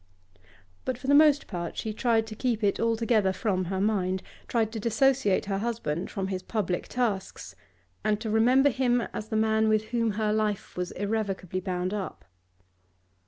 But for the most part, she tried to keep it altogether from her mind, tried to dissociate her husband from his public tasks, and to remember him as the man with whom her life was irrevocably bound up.